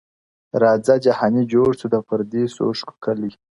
راځه جهاني جوړ سو د پردېسو اوښکو کلی-